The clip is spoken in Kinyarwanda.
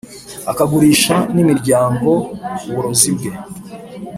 akagurisha n’imiryango uburozi bwe